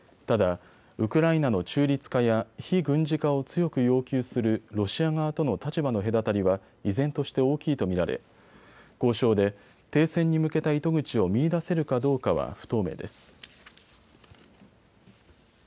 ただウクライナの中立化や非軍事化を強く要求するロシア側との立場の隔たりは依然として大きいと見られ、交渉で停戦に向けた糸口を見いだせるかどうかは不透明です。